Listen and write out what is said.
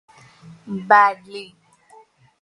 Badly.